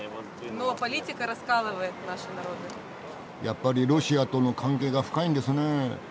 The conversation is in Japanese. やっぱりロシアとの関係が深いんですねぇ。